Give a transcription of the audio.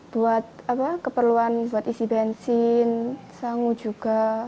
buat keperluan buat isi bensin sangu juga